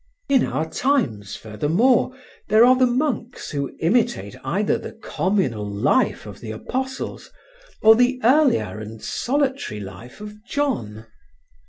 In our times, furthermore, there are the monks who imitate either the communal life of the Apostles or the earlier and solitary life of John.